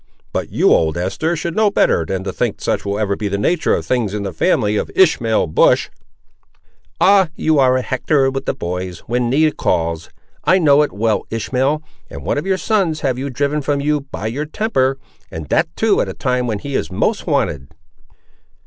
But, you, old Esther, should know better than to think such will ever be the nature of things in the family of Ishmael Bush." "Ah! you are a hectorer with the boys, when need calls! I know it well, Ishmael; and one of your sons have you driven from you, by your temper; and that, too, at a time when he is most wanted."